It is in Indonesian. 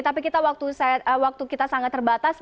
tapi waktu kita sangat terbatas